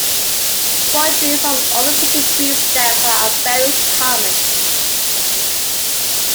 Forgeries of the overprinted "B" stamps are very common.